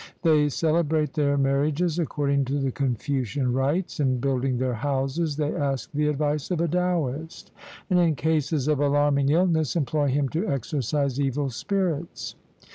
They celebrate their marriages according to the Confucian rites; in building their houses, they ask the advice of a Taoist; and in cases of alarming illness employ him to exorcise evil spirits.